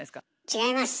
違います！